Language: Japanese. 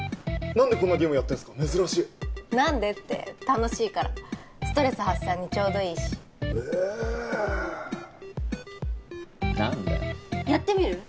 何でこんなゲームやってんすか珍しい何でって楽しいからストレス発散にちょうどいいしへえ何だよやってみる？